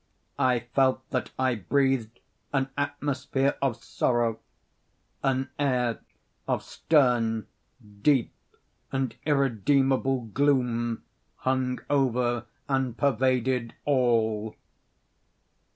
I felt that I breathed an atmosphere of sorrow. An air of stern, deep, and irredeemable gloom hung over and pervaded all.